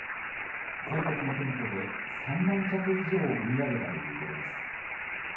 全国の店舗で３万着以上を売り上げたということです。